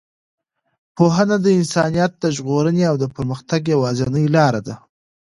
پوهنه د انسانیت د ژغورنې او د پرمختګ یوازینۍ لاره ده.